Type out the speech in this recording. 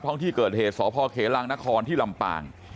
ห้องที่เกิดเหตุสพเขลังนครที่ลำปาง